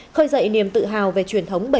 khơi dậy niềm tự hào về truyền thống